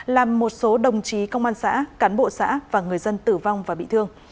làm một số đồng chí công an xã cán bộ xã và người dân tử vong và bị thương